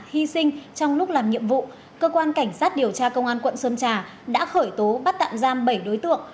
hy sinh trong lúc làm nhiệm vụ cơ quan cảnh sát điều tra công an quận sơn trà đã khởi tố bắt tạm giam bảy đối tượng